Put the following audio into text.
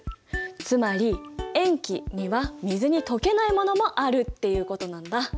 つまり塩基には水に溶けないものもあるっていうことなんだ。